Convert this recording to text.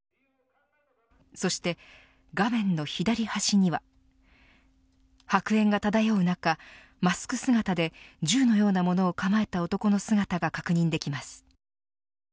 そして画面の左端には白煙が漂う中マスク姿で銃のようなものを構えた男の姿が確認できます。